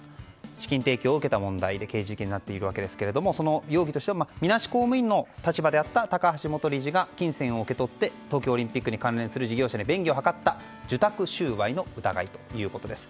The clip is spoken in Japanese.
資金提供を受けた問題で刑事事件になっていますがその容疑としてはみなし公務員の立場であった高橋元理事が金銭を受け取って東京オリンピックに関連する事業者に便宜を図った受託収賄の疑いということです。